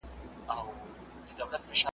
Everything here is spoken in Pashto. د پیربابا پر قبر ,